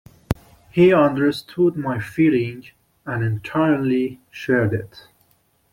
He understood my feeling and entirely shared it.